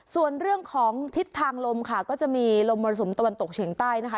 ส่วนเรื่องของทิศทางลมค่ะก็จะมีลมมรสุมตะวันตกเฉียงใต้นะคะ